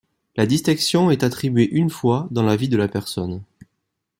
La distinction est attribuée une fois dans la vie de la personne.